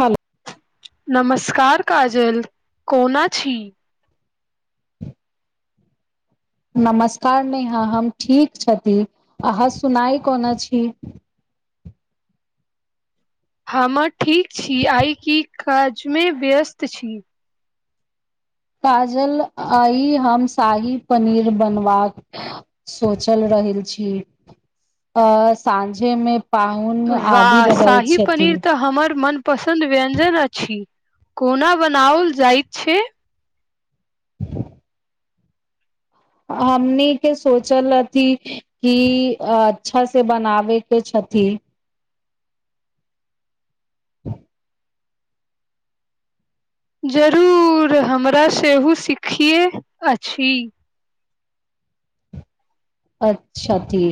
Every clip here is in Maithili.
हेलो नमस्कार काजल कोना छी नमस्कार नेहा हम ठीक छथि अहाँ सुनाइ कोना छी हमर ठीक छी आइ की काजमे व्यस्त छी काजल आइ हम शाही पनीर बनबाक सोचल रहल छी साँझे मे पाहुन आबि वाह रहल शाही छथि पनीर तऽ हमर मन पसन्द व्यञ्जन अछि कोना बनाओल जाइत छै हमनीके सोचल अथि कि अच्छा से बनाबैके छथि [inaudible] जरूर हमरा सेहो सिखै अछि अच्छा ती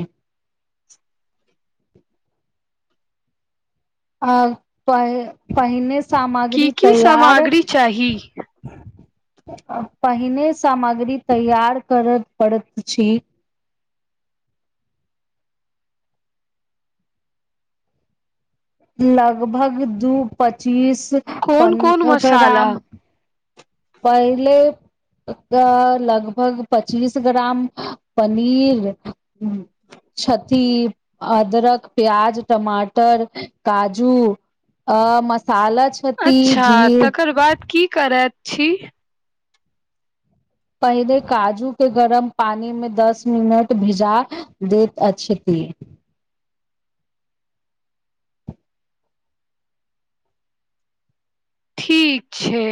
आ पहिने की सामग्री की तैयार सामग्री चाही पहिने सामग्री तैयार करय पड़ैत अछि लगभग दू पच्चीस कोन कोन मसाला [unintelligible] पहिले लगभग पच्चीस ग्राम पनीर छथि अदरक प्याज टमाटर काजू म अच्छा तकर बाद की करत छी पहिनेे काजू के गरम पानि मे दस मिनट भिजा दैत अछती ठीक छै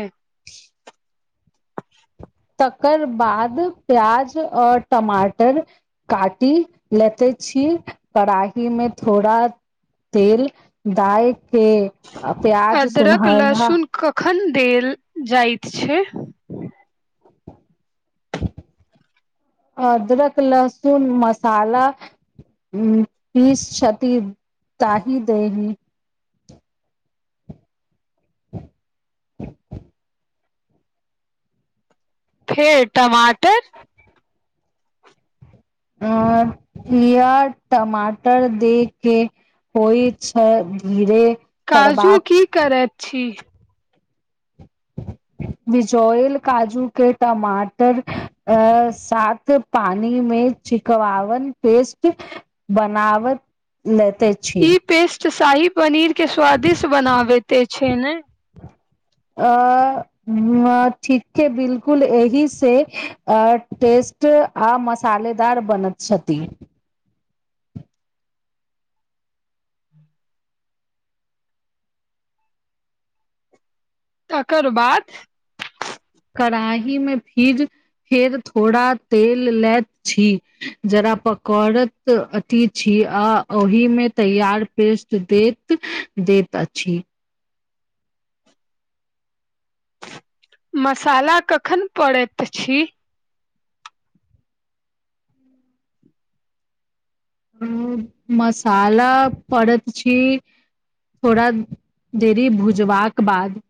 तकर बाद प्याज और टमाटर काटि लेते छी कड़ाही मे थोड़ा तेल डाल के प्याज अदरक सुनहरा लहसुन कखन देल जाइत छै अदरक लहसुन मसाला पीस छथि [unintelligible] फेर टमाटर आ किया टमाटर दे के होइ छै धीरे काजू की करबाक करैत छी बिजोयल काजू के टमाटर साथ पानि मे चिकवावन पेस्ट बनाव [unintelligible] ई पेस्ट शाही पनीर के स्वादिष्ट बनाबते छै ने अ ठीके बिलकुल एहिसँ टेस्ट आ मसालेदार बनत छथि तकर बाद कड़ाहीमे फिर फेर थोड़ा तेल लैत छी जरा पकौड़त अथि छी आ ओहिमे तैयार पेस्ट दैत दैत अछि मसाला कखन पड़ैत अछि मसाला पड़ैत अछि थोड़ा देरी भुजबाक बाद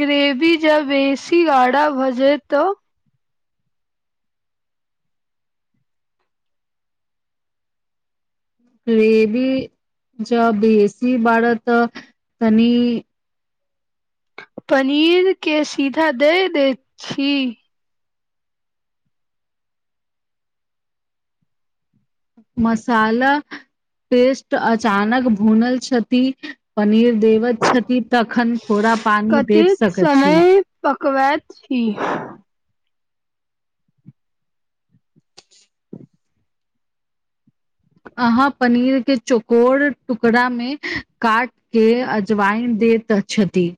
ग्रेवी जब बेसी गाढ़ा भऽ जाय तऽ ग्रेबी जब बेसी बढ़त तनी पनीर के सीधा दे दै छी मसाला पेस्ट अचानक भुनल छथि पनीर देबैत छथिन तखन थोड़ा पानी दे कतेक सकैत छी समय पकबैत छी अहाँ पनीरके चोकोर टुकड़ामे काट के अजवाइन दैत छथि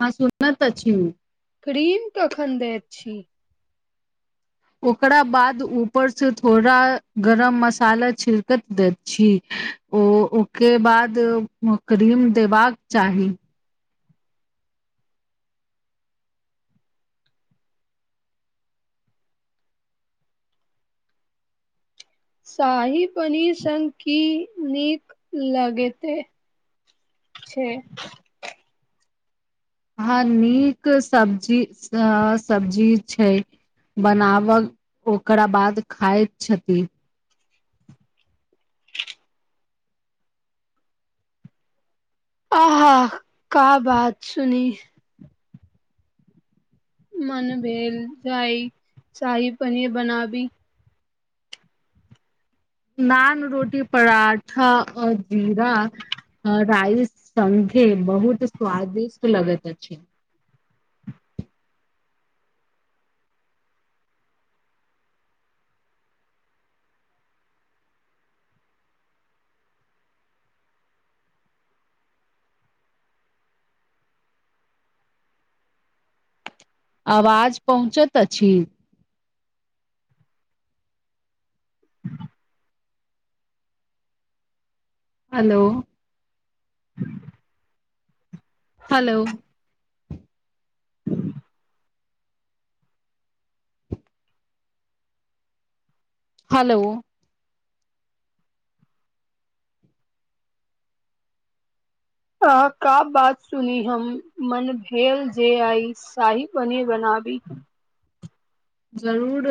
हँ सुनत अछि क्रीम कखन दैत छी ओकरा बाद ऊपरसँ थोड़ा गरम मसाला छिड़कैत दैत छी ओ ओके बाद क्रीम देबाक चाही शाही पनीर संग की नीक लगैत छै हँ नीक सब्जी सब्जी छै बनाबक ओकरा बाद खाइत छथि आह हा का बात सुनी मन भेल जाइ शाही पनीर बनाबी नान रोटी पराठा आ जीरा राइस संघे बहुत स्वदिष्ट लगैत अछि अवाज पहुँचत अछि हेलो हेलो हेलो [unintelligible] जरूर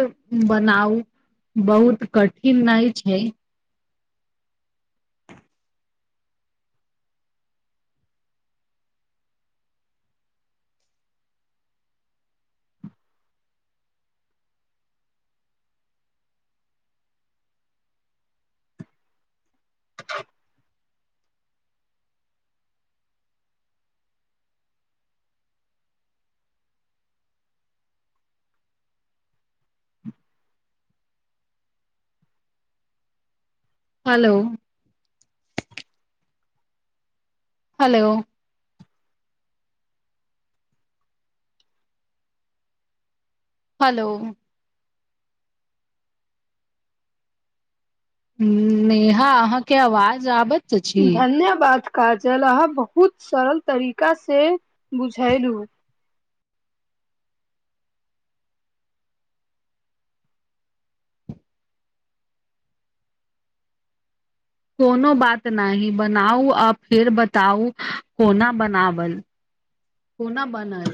बनाउ बहुत कठिन नहि छै हेलो हेलो हेलो ह नेहा अहाँ के आवाज आबत धन्यवाद। काजल आप बहुत सरल तरीका से बुझेलहु। कोनो बात नहि बनाउ आ फिर बताउ कोना बनावल कोना बनल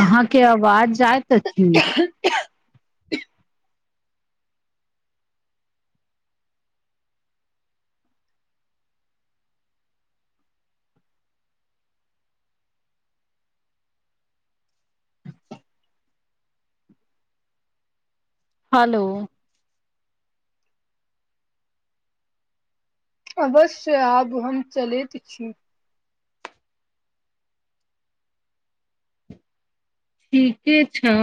अहाँके आवाज जायइत अछि। [unintelligible] हेलो अवश्य आब हम चलैत छी। ठीके छ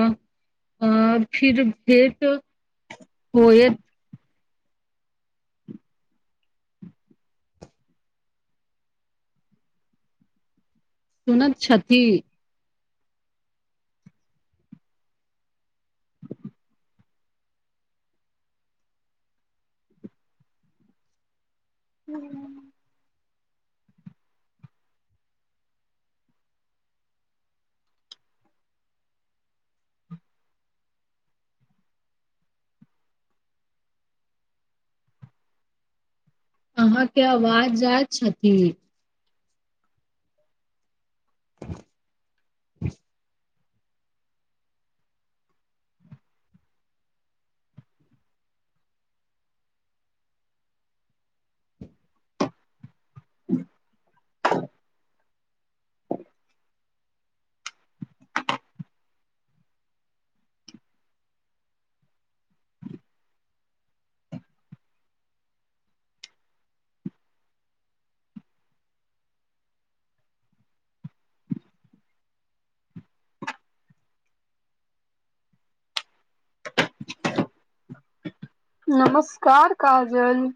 अ फिर भेट होयत। सुनैत छथि। ह्म्म अहाँके आवाज जात छथि। [unintelligible] [unintelligible] नमस्कार काजल।